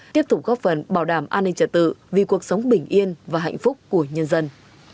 tiếp tục góp phần bảo đảm an ninh trả tự vì cuộc sống bình yên và hạnh phúc của nhân dân